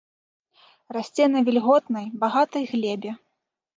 Расце на вільготнай, багатай глебе.